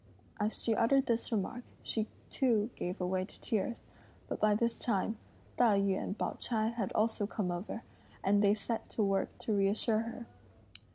As she uttered this remark, she too gave way to tears, but by this time, Tai yü and Pao ch'ai had also come over, and they set to work to reassure her.